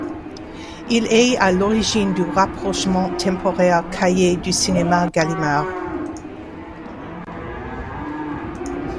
Il est à l'origine du rapprochement temporaire Cahiers du Cinéma-Gallimard.